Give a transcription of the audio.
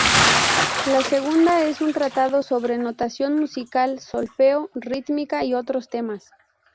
La segunda es un tratado sobre notación musical, solfeo, rítmica y otros temas.